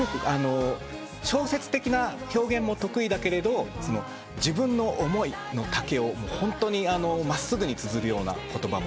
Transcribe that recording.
小説的な表現も得意だけれど自分の思いの丈をホントに真っすぐにつづるような言葉も。